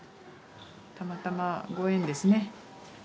たまたまご縁ですね。